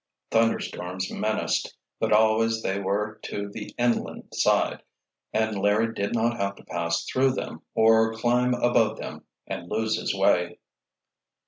Thunderstorms menaced, but always they were to the inland side, and Larry did not have to pass through them, or climb above them and lose his way.